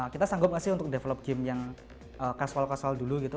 kita sanggup nggak sih untuk develop game yang kasual kasual dulu gitu